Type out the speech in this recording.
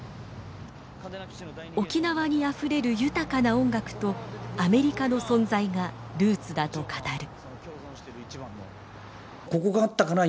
沖縄にあふれる豊かな音楽とアメリカの存在がルーツだと語る。